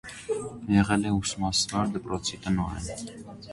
Եղել է ուսմասվար, դպրոցի տնօրեն։